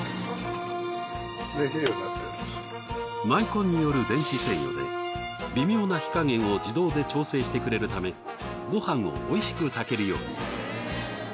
マイコンによる電子制御で微妙な火加減を自動で調整してくれるためご飯をおいしく炊けるように。